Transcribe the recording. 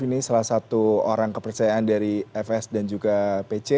ini salah satu orang kepercayaan dari fs dan juga pc